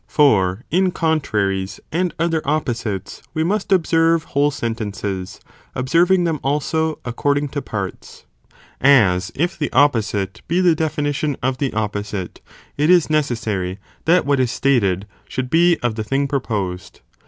For in contraries, and other opposites, we must observe whole sentences, observing them also, according to parts; as if the opposite t (be the definition) of the opposite, it ig necessary that what is stated, should be§ of the thing proposed.